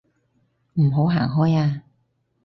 唔好行開啊